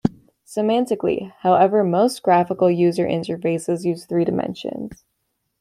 Semantically, however, most graphical user interfaces use three dimensions.